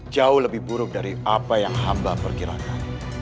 jauh lebih buruk dari apa yang hamba perkirakan